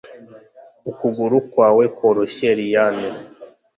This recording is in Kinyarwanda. ukuguru kwawe kworoshye, liane